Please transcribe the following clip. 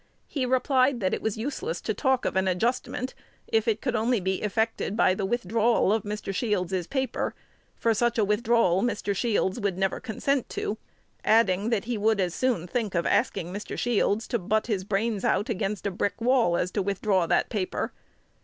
He replied that it was useless to talk of an adjustment, if it could only be effected by the withdrawal of Mr. Shields's paper, for such withdrawal Mr. Shields would never consent to; adding, that he would as soon think of asking Mr. Shields to "butt his brains out against a brick wall as to withdraw that paper."